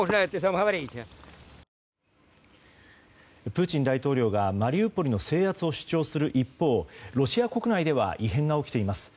プーチン大統領がマリウポリの制圧を主張する一方、ロシア国内では異変が起きています。